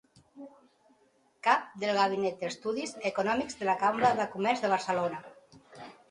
cap del gabinet d'estudis econòmics de la Cambra de Comerç de Barcelona